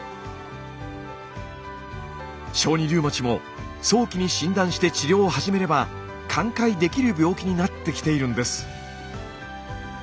小児リウマチも早期に診断して治療を始めれば寛解できる病気になってきているんです。